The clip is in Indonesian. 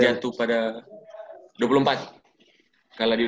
yang jatuh pada dua puluh empat kalah di dua puluh empat